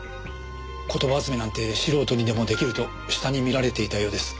言葉集めなんて素人にでもできると下に見られていたようです。